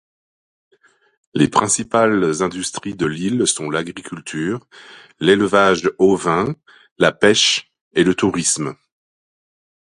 Les principales industries de l'île sont l'agriculture, l'élevage ovin, la pêche et le tourisme.